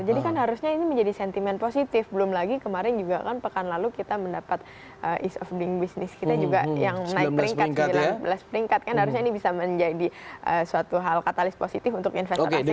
kan harusnya ini menjadi sentimen positif belum lagi kemarin juga kan pekan lalu kita mendapat ease of doing business kita juga yang naik peringkat menjelang sebelas peringkat kan harusnya ini bisa menjadi suatu hal katalis positif untuk investasi